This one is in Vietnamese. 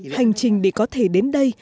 hành trình để có thể đến đây